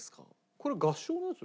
これ合唱のやつ？